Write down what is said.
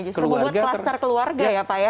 justru membuat klaster keluarga ya pak ya